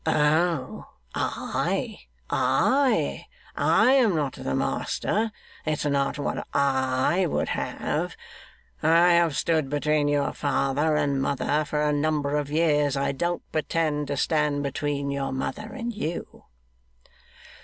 'Oh! I? I? I am not the master. It's not what I would have. I have stood between your father and mother for a number of years. I don't pretend to stand between your mother and you.